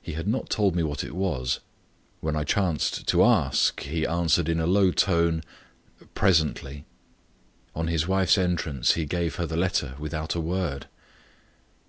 He had not told me what it was; when I chanced to ask he answered in a low tone "Presently!" On his wife's entrance he gave her the letter without a word.